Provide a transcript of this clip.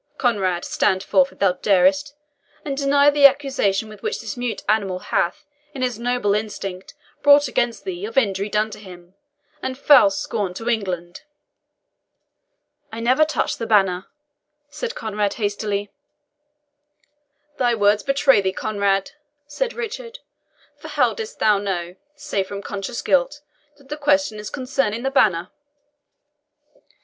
Conrade, stand forth, if thou darest, and deny the accusation which this mute animal hath in his noble instinct brought against thee, of injury done to him, and foul scorn to England!" "I never touched the banner," said Conrade hastily. "Thy words betray thee, Conrade!" said Richard, "for how didst thou know, save from conscious guilt, that the question is concerning the banner?"